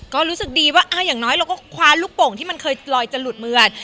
ก็รู้สึกดีว่าอย่างน้อยเราก็คว้ารูปปาอลุ่นที่เคยมันลอยจะหลุดเมือง